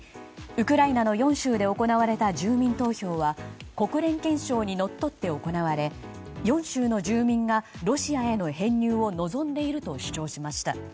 ウクライナの４州で行われた住民投票は国連憲章にのっとって行われ４州の住民がロシアへの編入を望んでいると主張しました。